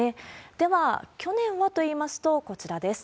では、去年はといいますと、こちらです。